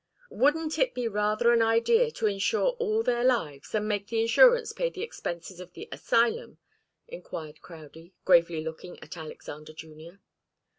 "Wouldn't it be rather an idea to insure all their lives, and make the insurance pay the expenses of the asylum?" enquired Crowdie, gravely looking at Alexander Junior.